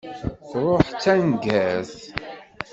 Truḥ d taneggart.